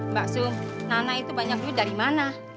mbak sung nana itu banyak duit dari mana